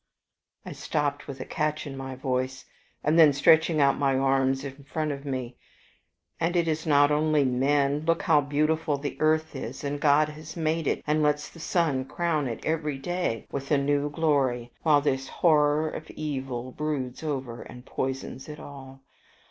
I stopped with a catch in my voice, and then stretching out my arms in front of me "And it is not only men. Look how beautiful the earth is, and God has made it, and lets the sun crown it every day with a new glory, while this horror of evil broods over and poisons it all.